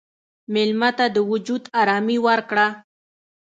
مېلمه ته د وجود ارامي ورکړه.